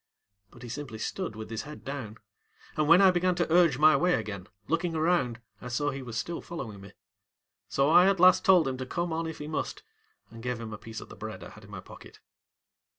ŌĆØ But he simply stood with his head down, and when I began to urge my way again, looking around, I saw he was still following me. So I at last told him to come on if he must and gave him a piece of the bread I had in my pocket.